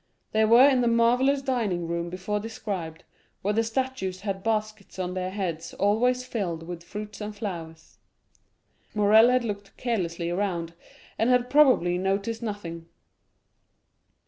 They were in the marvellous dining room before described, where the statues had baskets on their heads always filled with fruits and flowers. Morrel had looked carelessly around, and had probably noticed nothing.